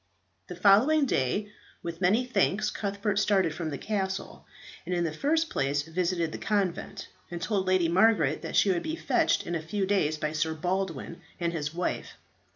The following day, with many thanks Cuthbert started from the castle, and in the first place visited the convent, and told Lady Margaret that she would be fetched in a few days by Sir Baldwin and his wife.